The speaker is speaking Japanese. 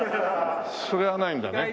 それはないんだね。